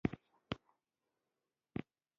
ګرد سره د پېژندلو نه و.